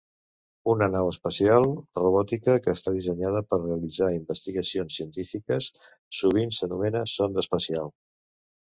Una nau espacial robòtica que està dissenyada per realitzar investigacions científiques, sovint s'anomena sonda espacial.